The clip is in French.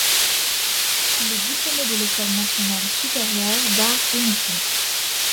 Il est diplômé de l'École Nationale Supérieure d'Arts et Métiers.